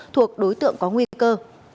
thuộc đối tượng có nguy cơ